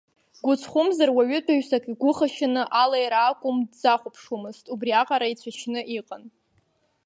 Гәыцхәымзар уаҩытәыҩсак игәыхашьаны, алаиара акәым, дзахәаԥшуамызт, убриаҟара ицәашьны иҟан.